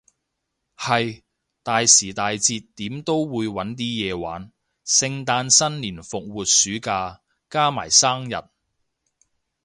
係，大時大節點都會搵啲嘢玩，聖誕新年復活暑假，加埋生日